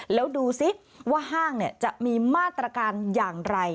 แล้วดูสิว่าห้างจะมีมาตรการอย่างไร